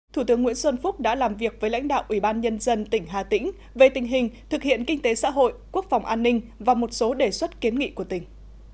thủ tướng nguyễn xuân phúc đã làm việc với lãnh đạo ủy ban nhân dân tỉnh hà tĩnh về tình hình thực hiện kinh tế xã hội quốc phòng an ninh và một số đề xuất kiến nghị của tỉnh